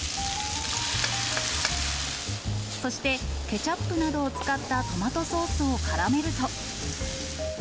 そして、ケチャップなどを使ったトマトソースをからめると。